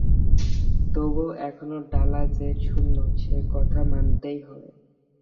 তবুও এখনো ডালা যে শূন্য সে কথা মানতেই হবে।